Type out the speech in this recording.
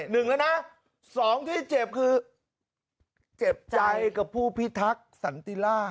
หนึ่งแล้วนะสองที่เจ็บคือเจ็บใจกับผู้พิทักษ์สันติล่า